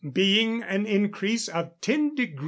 being an increase of 10 deg.